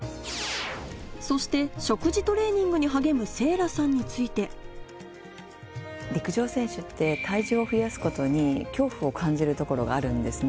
そして食事トレーニングに励む聖衣来さんについて陸上選手って。を感じるところがあるんですね。